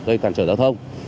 gây cản trở giao thông